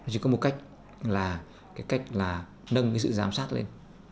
chỉ có một cách là nâng sự giám sát lên